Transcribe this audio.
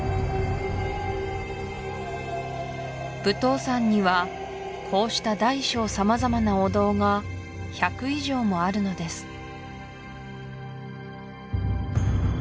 武当山にはこうした大小様々なお堂が１００以上もあるのです